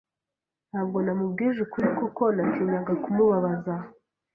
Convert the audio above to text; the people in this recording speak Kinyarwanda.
Ntabwo namubwije ukuri kuko natinyaga kumubabaza.